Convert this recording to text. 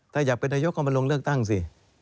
ถ้าอยากเป็นระยกษ์เข้ามาลงเลือกตั้งสิ